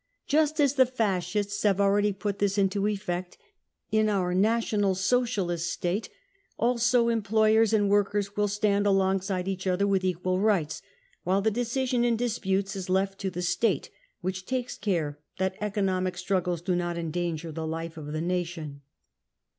Just as the Fascists have already put this into effect, in our National Socialist State also employers and workers will stand alongside each other with equal rights, while the decision in disputes is left to the State, which takes care that economic struggles do not endanger the life of the nation.